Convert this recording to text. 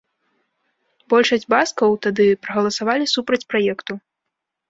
Большасць баскаў тады прагаласавалі супраць праекту.